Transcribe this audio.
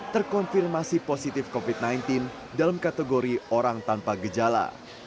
terkonfirmasi positif covid sembilan belas dalam kategori orang tanpa gejala